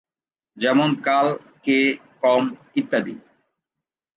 যেমন "কাল", "কে", "কম" ইত্যাদি।